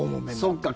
そっか。